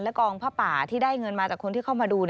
กองผ้าป่าที่ได้เงินมาจากคนที่เข้ามาดู